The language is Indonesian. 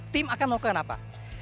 tim akan melakukan apa